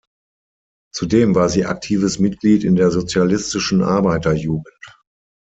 Zudem war sie aktives Mitglied in der Sozialistischen Arbeiter-Jugend.